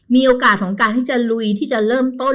มีโอกาสของการที่จะลุยที่จะเริ่มต้น